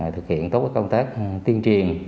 thực hiện tốt công tác tiên truyền